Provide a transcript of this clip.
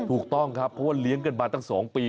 ถูกต้องครับเพราะว่าเลี้ยงกันมาตั้ง๒ปี